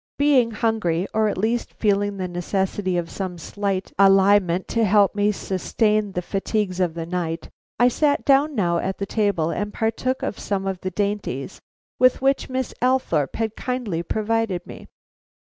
Being hungry, or at least feeling the necessity of some slight aliment to help me sustain the fatigues of the night, I sat down now at the table and partook of some of the dainties with which Miss Althorpe had kindly provided me.